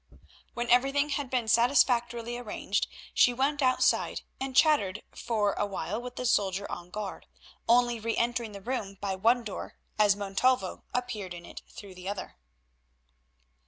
When everything had been satisfactorily arranged she went outside and chattered for a while with the soldier on guard, only re entering the room by one door as Montalvo appeared in it through the other.